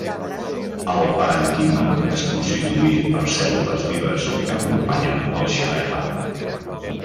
El parènquima és constituït per cèl·lules vives que acompanyen al xilema.